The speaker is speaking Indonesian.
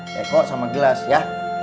teko sama gelas ya